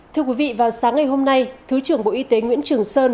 thưa quý vị vào sáng ngày hôm nay thứ trưởng bộ y tế nguyễn trường sơn